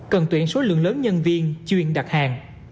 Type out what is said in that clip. cần tuyển số lượng lớn nhân viên chuyên đặt hàng